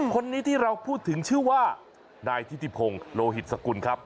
คนนี้ที่เราพูดถึงชื่อว่านายทิติพงศ์โลหิตสกุลครับ